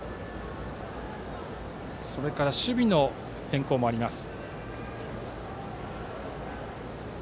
それから守備の変更もあります。